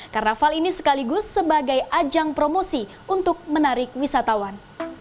karnaval ini sekaligus sebagai ajang promosi untuk menarik wisatawan